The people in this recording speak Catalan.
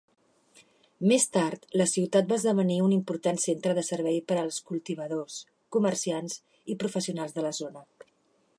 Més tard, la ciutat va esdevenir un important centre de serveis per als cultivadors, comerciants i professionals de la zona.